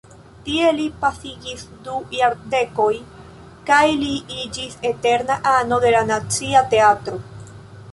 Tie li pasigis du jardekojn kaj li iĝis eterna ano de la Nacia Teatro.